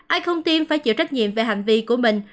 ai không tiêm phải chịu trách nhiệm về hành vi của mình